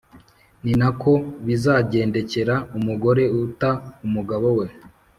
Ni na ko bizagendekera umugore uta umugabo we,